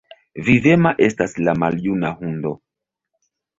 Vivema estas la maljuna hundo!